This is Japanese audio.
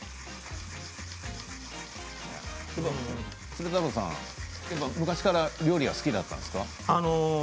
鶴太郎さん昔から料理は好きだったんですか。